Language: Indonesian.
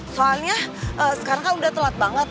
soalnya sekarang kan udah telat banget